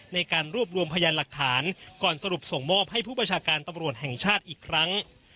ในการรวบรวมพยานหลักฐานก่อนสรุปส่งมอบให้พบศหังชาติอีกครั้ง